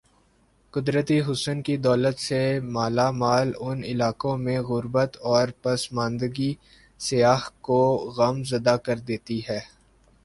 قدرتی حسن کی دولت سے مالا مال ان علاقوں میں غر بت اور پس ماندگی سیاح کو غم زدہ کر دیتی ہے ۔